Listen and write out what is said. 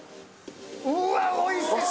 うわおいしそう！